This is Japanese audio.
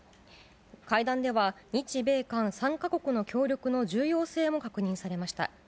会談では、日米韓３か国の協力の重要性も確認されました。